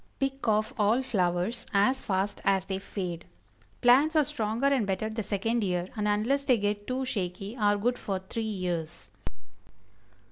Pick off all flowers as fast as they fade. Plants are stronger and better the second year, and unless they get too shaky, are good for three years.